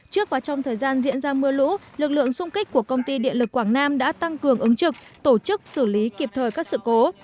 trước và trong thời gian diễn ra mưa lũ lực lượng xung kích của công ty điện lực quảng nam đã tăng cường ứng trực tổ chức xử lý kịp thời các sự cố